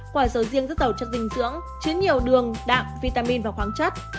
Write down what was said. quả sầu riêng rất giàu chất dinh dưỡng chứa nhiều đường đạm vitamin và khoáng chất